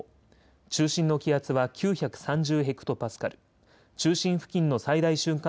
中心の気圧は９３０ヘクトパスカル、中心付近の最大瞬間